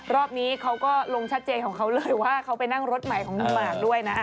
รอบนี้เขาก็ลงชัดเจนของเขาเลยว่าเขาไปนั่งรถใหม่ของหนุ่มหมากด้วยนะ